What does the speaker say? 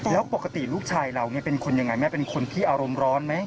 แล้วปกติลูกชายเราเป็นคนยังไงแม่เป็นคนที่อารมณ์ร้อนไหม